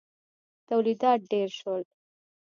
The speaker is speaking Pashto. تولیدات ډېر شول.